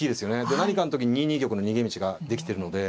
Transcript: で何かの時に２二玉の逃げ道ができてるので。